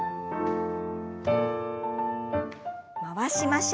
回しましょう。